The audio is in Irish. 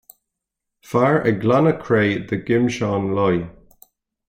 Fear ag glanadh cré de ghimseán láí.